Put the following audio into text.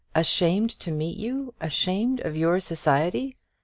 Ashamed to meet you ashamed of your society!